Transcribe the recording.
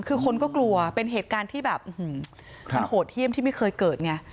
คือคนก็กลัวเป็นเหตุการณ์ที่แบบมันโหดเยี่ยมที่ไม่เคยเกิดไง